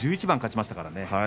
１１番勝ちましたからね。